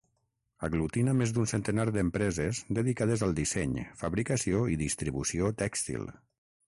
Aglutina més d'un centenar d'empreses dedicades al disseny, fabricació i distribució tèxtil.